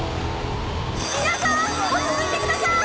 皆さん落ち着いてください！